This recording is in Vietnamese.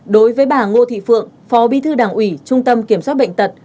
đối với bà ngô thị phượng phó bí thư đảng ủy trung tâm kiểm soát bệnh tật